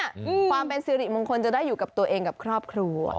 ความเป็นสิริมงคลจะได้อยู่กับตัวเองกับครอบครัว